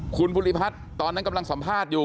คุณภูริพัฒน์ตอนนั้นกำลังสัมภาษณ์อยู่